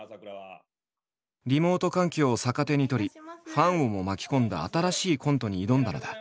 リモート環境を逆手に取りファンをも巻き込んだ新しいコントに挑んだのだ。